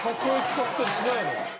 買ったりしないの？